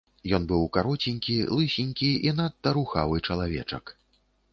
Ён быў кароценькі, лысенькі і надта рухавы чалавечак.